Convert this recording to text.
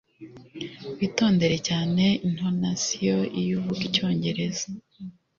Witondere cyane intonasiyo iyo uvuga icyongereza